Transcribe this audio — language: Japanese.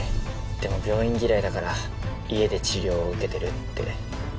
でも病院嫌いだから家で治療を受けてるって。